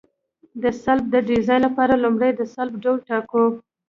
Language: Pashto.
د سلب د ډیزاین لپاره لومړی د سلب ډول ټاکو